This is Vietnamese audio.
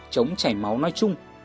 chống chảy máu